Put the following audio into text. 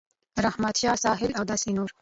رحمت شاه ساحل او داسې نور